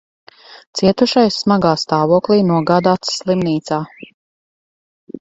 Cietušais smagā stāvoklī nogādāts slimnīcā.